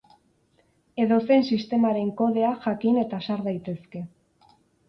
Edozein sistemaren kodea jakin eta sar daitezke.